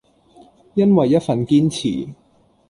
因為一份堅持